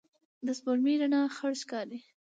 د سپوږمۍ رڼا خړه ښکاري